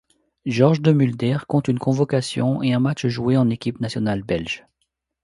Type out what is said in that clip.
Georges Demulder compte une convocation et un match joué en équipe nationale belge.